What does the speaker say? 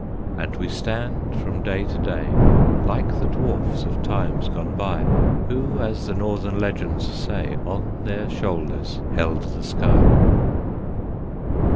And we stand from day to day, Like the dwarfs of times gone by, Who, as Northern legends say, On their shoulders held the sky.